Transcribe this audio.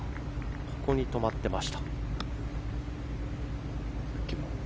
ここに止まってました。